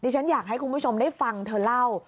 ฉันอยากให้คุณผู้ชมได้ฟังเธอเล่า